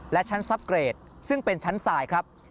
และชั้นซับเกรดซึ่งเป็นชั้นสายครับ